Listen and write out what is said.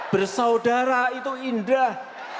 bersaudara itu indah